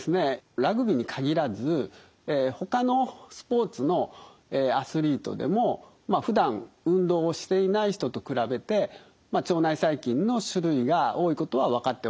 ラグビーに限らずほかのスポーツのアスリートでもまあふだん運動をしていない人と比べて腸内細菌の種類が多いことは分かっております。